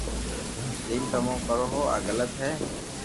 جيم تموو ڪرو ھون آ غلط ي